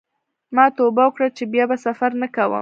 ما توبه وکړه چې بیا به سفر نه کوم.